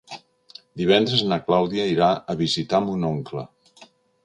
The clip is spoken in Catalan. Divendres na Clàudia irà a visitar mon oncle.